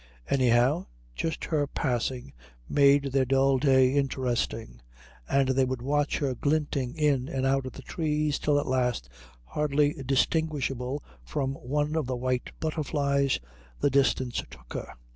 Anyhow, just her passing made their dull day interesting; and they would watch her glinting in and out of the trees till at last, hardly distinguishable from one of the white butterflies, the distance took her.